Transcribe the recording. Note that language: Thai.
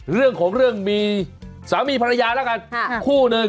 เรื่องของเรื่องมีสามีภรรยาแล้วกันคู่หนึ่ง